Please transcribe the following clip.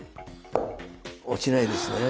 落ちないですね。